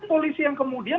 polisi yang kemudian